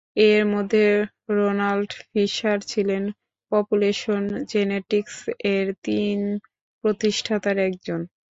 এর মধ্যে Ronald Fisher ছিলেন পপুলেশন জেনেটিক্স এর তিন প্রতিষ্ঠাতার একজন।